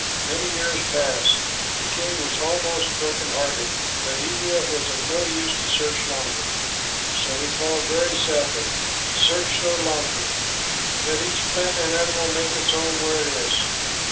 Many years passed. The king was almost broken hearted, but he knew it was of no use to search longer, so he called very sadly, "Search no longer. Let each plant and animal make its home where it is.